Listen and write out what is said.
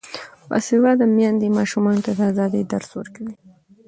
باسواده میندې ماشومانو ته د ازادۍ درس ورکوي.